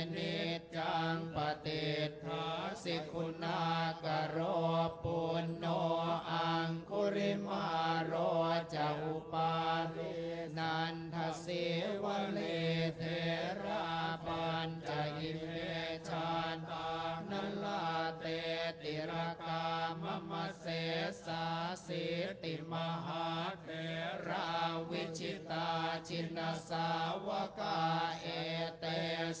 นิจจังปฏิภาสิคุณากะโรปุณโนอังกุริมหาโรจะอุปาลุนันทศิวะลิเทราปัญญาอิเวชานัลลาเตติรกะมะมะเซสาสิติมหาเทราวิจิตาชินสาวะกะเอเตสา